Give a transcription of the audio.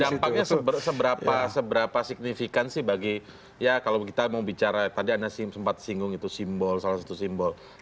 dampaknya seberapa signifikan sih bagi ya kalau kita mau bicara tadi anda sempat singgung itu simbol salah satu simbol